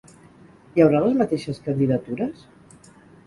Hi haurà les mateixes candidatures?